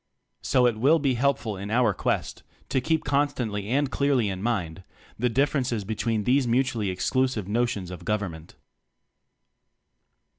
So it will be helpful in our quest to keep constantly and clearly in mind the differences be tween these mutually exclusive no tions of Government.